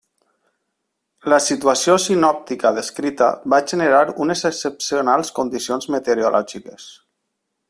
La situació sinòptica descrita va generar unes excepcionals condicions meteorològiques.